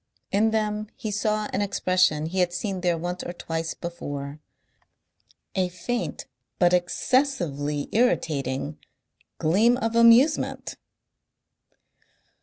In them he saw an expression he had seen there once or twice before, a faint but excessively irritating gleam of amusement.